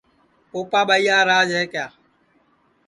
پوپا ٻائیا کا راج ہے کیا